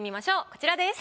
こちらです。